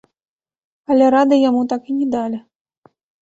Але рады яму так і не далі.